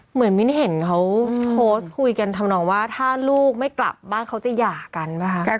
มิ้นเห็นเขาโพสต์คุยกันทำนองว่าถ้าลูกไม่กลับบ้านเขาจะหย่ากันป่ะคะ